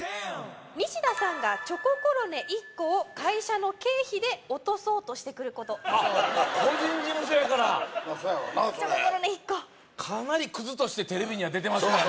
ニシダさんがチョココロネ１個を会社の経費で落とそうとしてくることあっ個人事務所やからそやろなそれチョココロネ１個かなりクズとしてテレビには出てますからね